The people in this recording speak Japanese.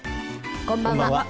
こんばんは。